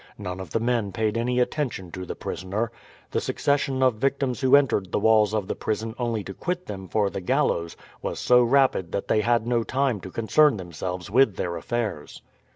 None of the men paid any attention to the prisoner. The succession of victims who entered the walls of the prison only to quit them for the gallows was so rapid that they had no time to concern themselves with their affairs.